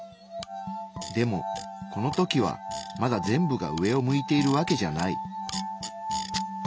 でもこの時はまだ全部が上を向いているわけじゃない。